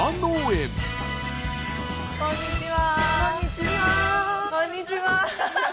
こんにちは。